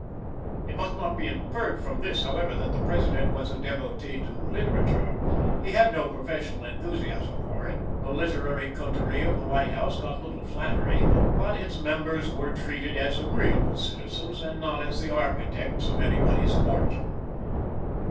It must not be inferred from this, however, that the President was a devotee to literature. He had no professional enthusiasm for it. The literary coterie of the White House got little flattery but its members were treated as agreeable citizens and not as the architects of any body's fortune.